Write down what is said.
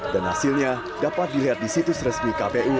dan hasilnya dapat dilihat di situs resmi kpu